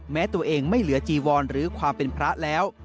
แม้ตัวเองไม่เหลือจีวรหรือความเป็นพระแล้ว